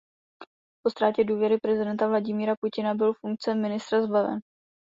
Po ztrátě důvěry prezidenta Vladimira Putina byl funkce ministra zbaven.